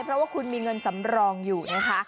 เพราะว่าคุณมีเงินสำรองอยู่นะคะ